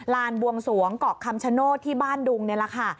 บวงสวงเกาะคำชโนธที่บ้านดุงนี่แหละค่ะ